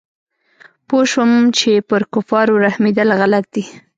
پوه سوم چې پر کفارو رحمېدل غلط دي.